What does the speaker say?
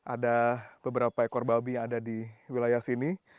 ada beberapa ekor babi yang ada di wilayah sini